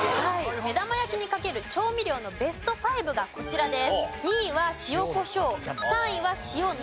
目玉焼きにかける調味料のベスト５がこちらです。